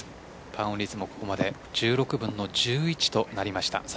パーオン率もここまで１６分の１１となりました。